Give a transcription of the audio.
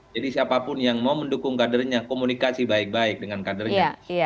jadi siapapun yang mau mendukung kadernya komunikasi baik baik dengan kadernya